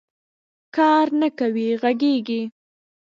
کار نه کوې غږېږې